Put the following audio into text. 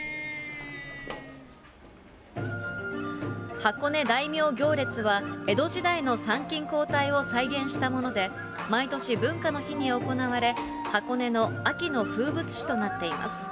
箱根大名行列は、江戸時代の参勤交代を再現したもので、毎年、文化の日に行われ、箱根の秋の風物詩となっています。